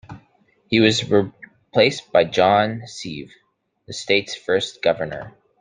He was replaced by John Sevier, the state's first governor.